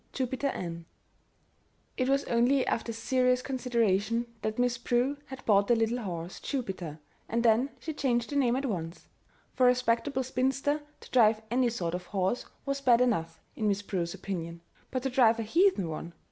Jupiter Ann It was only after serious consideration that Miss Prue had bought the little horse, Jupiter, and then she changed the name at once. For a respectable spinster to drive any sort of horse was bad enough in Miss Prue's opinion; but to drive a heathen one!